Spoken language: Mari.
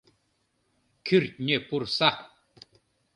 КӰРТНЬӦ ПУРСА